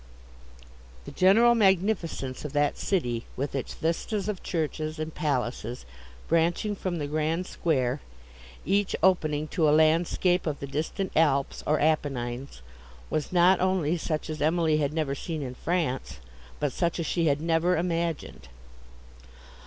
The general magnificence of that city, with its vistas of churches and palaces, branching from the grand square, each opening to a landscape of the distant Alps or Apennines, was not only such as Emily had never seen in France, but such as she had never imagined.